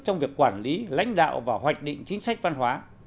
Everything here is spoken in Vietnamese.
trong việc quản lý lãnh đạo và hoạch định chính sách văn hóa